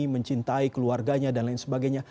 mencintai keluarganya dan lain sebagainya